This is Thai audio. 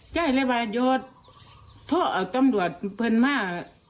ย่ายเลยวายดโทรเอาตำรวจเพื่อนมา